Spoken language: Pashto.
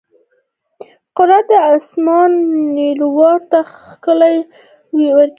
قدرت د اسمان نیلاوالي ته ښکلا ورکوي.